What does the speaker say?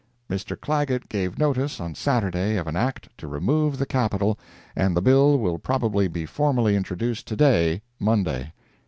Mr. Clagett gave notice, on Saturday, of an Act to remove the Capital, and the bill will probably be formally introduced to day (Monday).